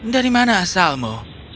dari mana asalmu